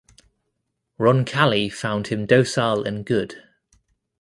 Roncalli found him "docile and good".